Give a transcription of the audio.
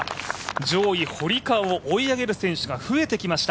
上位、堀川を追い上げる選手が増えてきました。